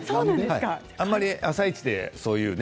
あまり「あさイチ」でそういうね